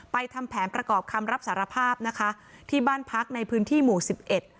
ทำแผนประกอบคำรับสารภาพนะคะที่บ้านพักในพื้นที่หมู่สิบเอ็ด